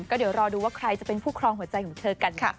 ก็เดี๋ยวรอดูว่าใครจะเป็นผู้ครองหัวใจของเธอกันค่ะ